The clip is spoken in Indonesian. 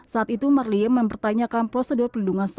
saat itu marliem mempertanyakan prosedur perlindungan saksi